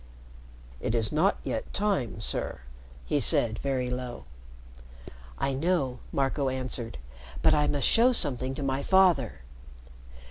"It is not yet time, sir," he said very low. "I know," Marco answered. "But I must show something to my father."